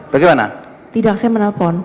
bagaimana tidak saya menelpon